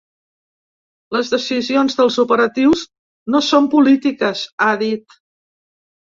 Les decisions dels operatius no són polítiques, ha dit.